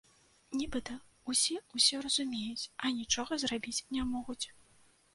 Нібыта ўсе ўсё разумеюць, а нічога зрабіць не могуць.